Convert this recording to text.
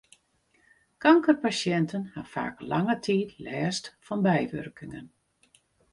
Kankerpasjinten ha faak lange tiid lêst fan bywurkingen.